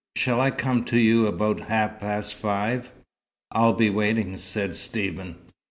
Shall I come to you about half past five?" "I'll be waiting," said Stephen.